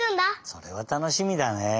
それはたのしみだね。